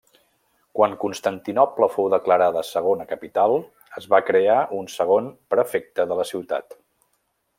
Quan Constantinoble fou declarada segona capital, es va crear un segon prefecte de la ciutat.